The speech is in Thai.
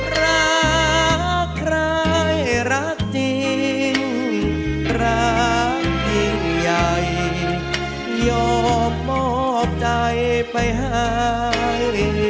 รักใครรักจริงรักยิ่งใหญ่ยอมมอบใจไปให้